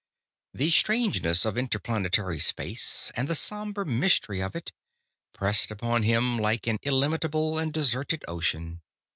]The strangeness of interplanetary space, and the somber mystery of it, pressed upon him like an illimitable and deserted ocean.